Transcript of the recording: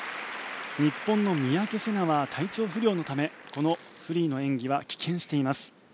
日本の三宅星南は体調不良のためこのフリーの演技は棄権しています。